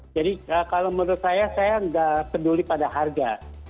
jadi kalau menurut saya saya tidak peduli pada harga